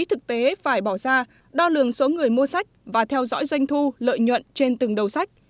thực tế phải bỏ ra đo lường số người mua sách và theo dõi doanh thu lợi nhuận trên từng đầu sách